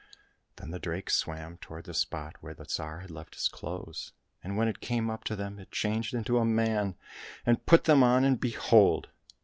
Ihen the drake swam toward the spot where the Tsar had left his clothes, and when it came up to them it changed into a man and put them on, and behold